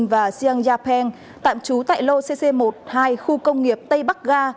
và siang yapeng tạm trú tại lô cc một mươi hai khu công nghiệp tây bắc ga